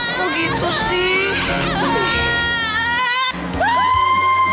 kok gitu sih